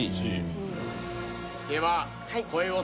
では。